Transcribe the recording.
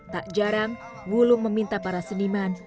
tak jarang wulung meminta para seniman